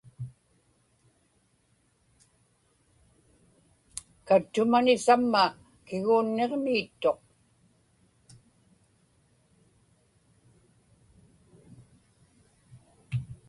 kattumani samma kiguunniġmi ittuq